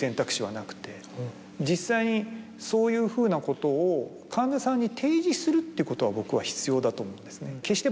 実際にそういうふうなことを患者さんに提示するってことは僕は必要だと思うんですね。